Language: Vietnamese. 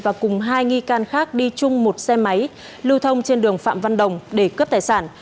và cùng hai nghi can khác đi chung một xe máy lưu thông trên đường phạm văn đồng để cướp tài sản